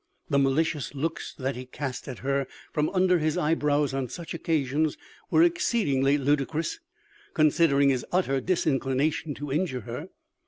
The malicious looks that he cast at her from under his eyebrows on such occasions were exceedingly ludicrous, considering his utter disinclination to injure her.